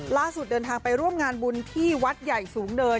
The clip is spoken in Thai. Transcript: ล่าสุดเดินทางไปร่วมงานบุญที่วัดใหญ่สูงเนิน